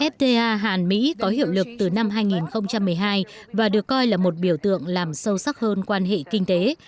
fta hàn mỹ có hiệu lực từ năm hai nghìn một mươi hai và được coi là một biểu tượng làm sâu sắc hơn quan hệ kinh tế